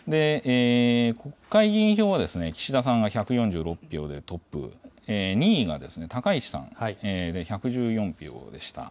国会議員票は岸田さんが１４６票でトップ、２位が高市さんで１１４票でした。